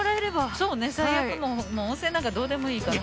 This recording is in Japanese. そうね最悪もう温泉なんかどうでもいいから。